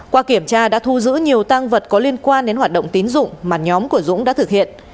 qua kiểm tra đã thu giữ nhiều tăng vật có liên quan đến hoạt động tín dụng mà nhóm của dũng đã thực hiện